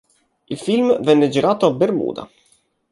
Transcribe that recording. Il film venne girato a Bermuda.